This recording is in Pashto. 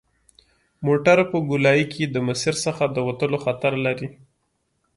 موټر په ګولایي کې د مسیر څخه د وتلو خطر لري